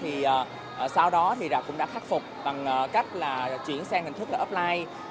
thì sau đó thì rạp cũng đã khắc phục bằng cách là chuyển sang hình thức là offline